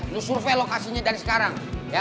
ini survei lokasinya dari sekarang